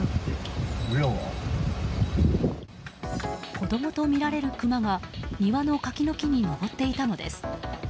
子供とみられるクマが庭の柿の木に登っていたのです。